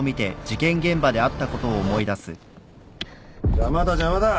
邪魔だ邪魔だ